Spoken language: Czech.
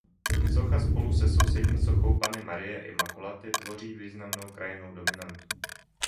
Socha spolu se sousední sochou Panny Marie Immaculaty tvoří významnou krajinnou dominantu.